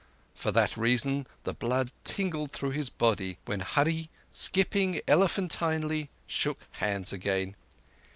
For that reason the blood tingled through his body, when Hurree, skipping elephantinely, shook hands again.